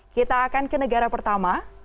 kita akan ke negara pertama